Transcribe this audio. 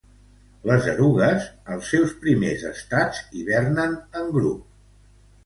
Les erugues als seus primers estats hivernen en grup.